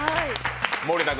森田君